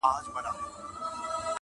هر سړي ویل په عامه هم په زړه کي،